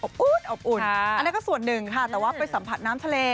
อบอุ่นอบอุ่นอันนั้นก็ส่วนหนึ่งค่ะแต่ว่าไปสัมผัสน้ำทะเล